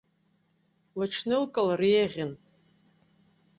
Лыҽнылкылар еиӷьын.